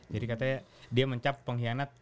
jadi katanya dia mencap pengkhianat